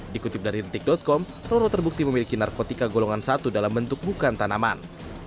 dikutip dari detik com roro terbukti memiliki narkotika golongan satu dalam bentuk bukan tanaman